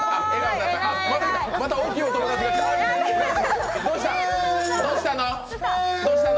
また大きいお友達が来た。